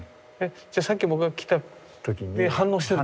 じゃさっき僕が来た時には反応してた？